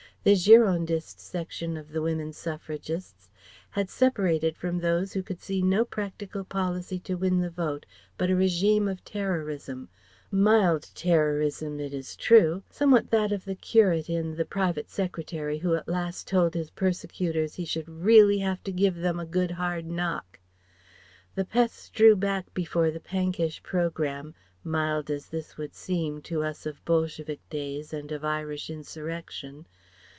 The Girondist section of the women suffragists had separated from those who could see no practical policy to win the Vote but a regime of Terrorism mild terrorism, it is true somewhat that of the Curate in The Private Secretary who at last told his persecutors he should really have to give them a good hard knock. The Peths drew back before the Pankish programme (mild as this would seem, to us of Bolshevik days and of Irish insurrection).